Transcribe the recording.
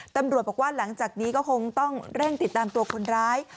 ตำรวจบอกว่าหลังจากนี้ก็คงต้องเร่งติดตามตัวคนร้าย